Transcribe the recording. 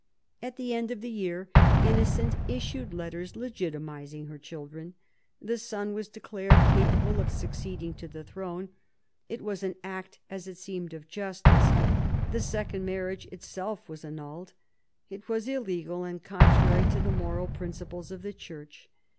At the end of the year Innocent issued letters legitimising her children. The son was declared capable of succeed ing to the throne. It was an act, as it seemed, of justice. The second marriage itself was annulled. It was illegal and contrary to the moral principles of the Church.